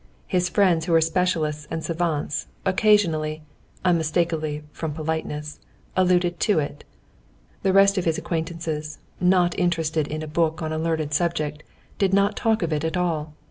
His friends who were specialists and savants, occasionally—unmistakably from politeness—alluded to it. The rest of his acquaintances, not interested in a book on a learned subject, did not talk of it at all.